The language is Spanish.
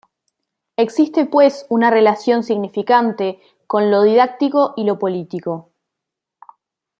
Existe pues una relación significante con lo didáctico y lo político.